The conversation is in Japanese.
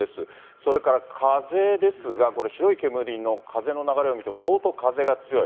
それから風ですが、白い煙の風の流れを見ても、相当風が強い。